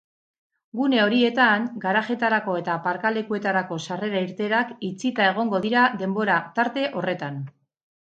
Gune horietan garajeetarako eta aparkalekuetarako sarrera-irteerak itxita egongo dira denbora-tarte horretan.